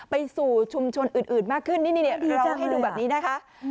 ไปสู่ชุมชนอื่นมากขึ้นนี่เราให้ดูแบบนี้นะคะ